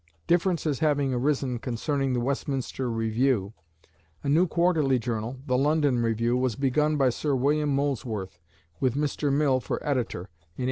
Differences having arisen concerning "The Westminster Review," a new quarterly journal "The London Review" was begun by Sir William Molesworth, with Mr. Mill for editor, in 1835.